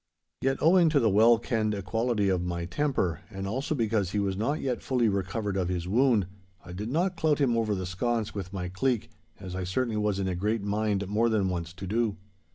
Yet, owing to the well kenned equality of my temper, and also because he was not yet fully recovered of his wound, I did not clout him over the sconse with my cleek, as I certainly was in a great mind more than once to do.